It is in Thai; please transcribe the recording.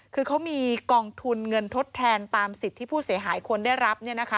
คือเขามีกองทุนเงินทดแทนตามสิทธิ์ที่ผู้เสียหายควรได้รับ